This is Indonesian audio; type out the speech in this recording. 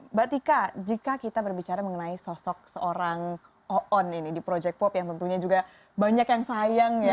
mbak tika jika kita berbicara mengenai sosok seorang oon ini di project pop yang tentunya juga banyak yang sayang ya